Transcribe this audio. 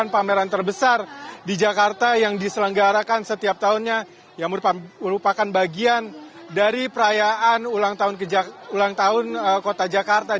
pekan raya jakarta